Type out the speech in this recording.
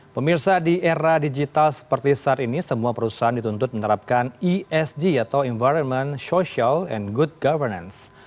pemirsa di era digital seperti saat ini semua perusahaan dituntut menerapkan esg atau environment social and good governance